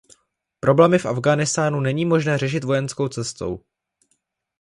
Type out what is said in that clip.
Problémy v Afghánistánu není možné řešit vojenskou cestou.